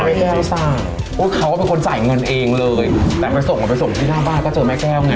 แม่แก้วทราบว่าเขาเป็นคนจ่ายเงินเองเลยแต่ไปส่งเราไปส่งที่หน้าบ้านก็เจอแม่แก้วไง